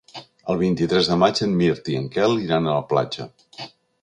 El vint-i-tres de maig en Mirt i en Quel iran a la platja.